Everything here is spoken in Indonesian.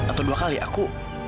atau dua kali aku